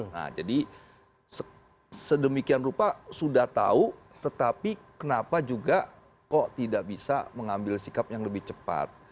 nah jadi sedemikian rupa sudah tahu tetapi kenapa juga kok tidak bisa mengambil sikap yang lebih cepat